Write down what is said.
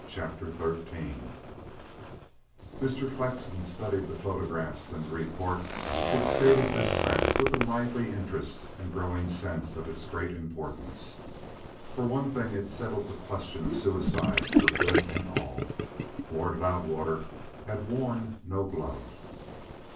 _ CHAPTER XIII Mr. Flexen studied the photographs and the report which stated this fact with a lively interest and a growing sense of its great importance. For one thing, it settled the question of suicide for good and all. Lord Loudwater had worn no glove.